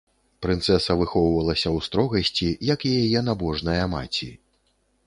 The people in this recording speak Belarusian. Прынцэса выхоўвалася ў строгасці, як і яе набожная маці.